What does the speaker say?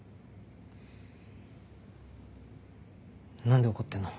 何で怒ってんの？